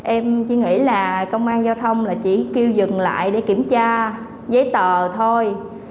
em chỉ nghĩ là công an giao thông là chỉ kêu dừng lại để kiểm tra giấy tờ thôi